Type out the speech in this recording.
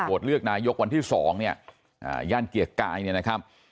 เลือกนายกวันที่๒เนี่ยย่านเกียรติกายเนี่ยนะครับ